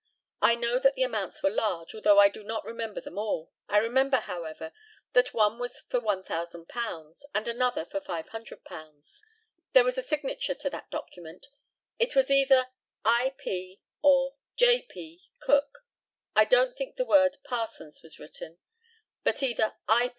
I know that the amounts were large, although I do not remember them all. I remember, however, that one was for £1,000 and another for £500. There was a signature to that document. It was either "I. P." or "J. P. Cook." I don't think the word "Parsons" was written, but either "I.